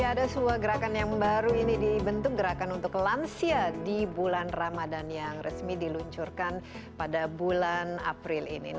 ada sebuah gerakan yang baru ini dibentuk gerakan untuk lansia di bulan ramadan yang resmi diluncurkan pada bulan april ini